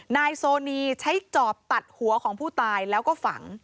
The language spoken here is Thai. นายโซนีใช้จอบตัดหัวของผู้ตายแล้วก็ฝัง